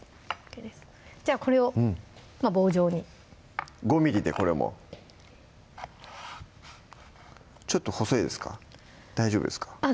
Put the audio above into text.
じゃこれを棒状に５ｍｍでこれもちょっと細いですか大丈夫ですかあっ